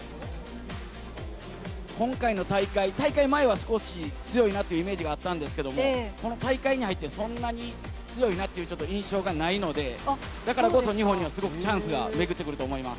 今回の大会、大会前は少し強いなっていうイメージがあったんですけれども、この大会に入って、そんなに強いなっていう印象がないので、だからこそ、日本にはすごくチャンスが巡ってくると思います。